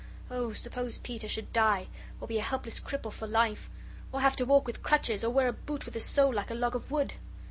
"Oh, suppose Peter should die, or be a helpless cripple for life, or have to walk with crutches, or wear a boot with a sole like a log of wood!"